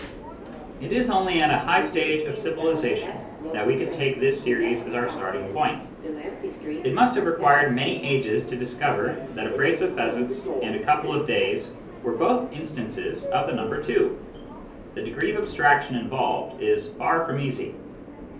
It is only at a high stage of civilisation that we could take this series as our starting point. It must have required many ages to discover that a brace of pheasants and a couple of days were both instances of the number 2 : the degree of abstraction involved is far from easy.